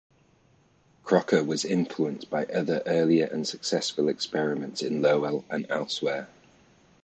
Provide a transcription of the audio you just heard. Crocker was influenced by other, earlier and successful experiments in Lowell and elsewhere.